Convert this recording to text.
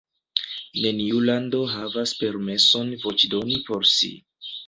Neniu lando havas permeson voĉdoni por si.